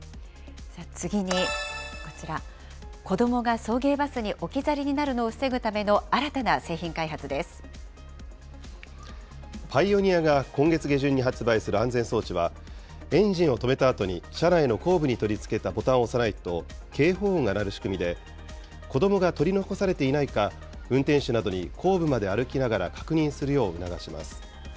次に、こちら、子どもが送迎バスに置き去りになるのを防ぐたパイオニアが今月下旬に発売する安全装置は、エンジンを止めたあとに、車内の後部に取り付けたボタンを押さないと、警報音が鳴る仕組みで、子どもが取り残されていないか、運転手などに後部まで歩きながら確認するよう促します。